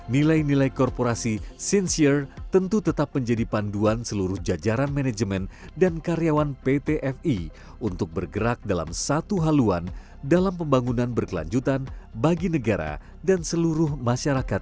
nilai nilai korporasi sincier tentu tetap menjadi panduan seluruh jajaran manajemen dan karyawan pt fi untuk bergerak dalam satu haluan dalam pembangunan berkelanjutan bagi negara dan seluruh masyarakat